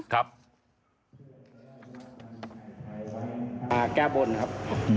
แก้บ่นครับ